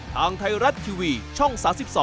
ทางไทรัตท์ทิวีช่อง๓๒